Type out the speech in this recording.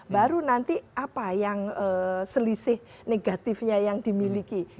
baru nanti apa yang selisih negatifnya yang dimiliki